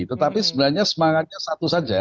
tetapi sebenarnya semangatnya satu saja